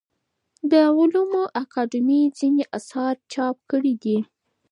د علومو اکاډمۍ ځینې اثار چاپ کړي دي.